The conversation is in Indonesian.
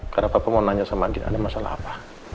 karena papa mau nanya sama andin ada masalah apa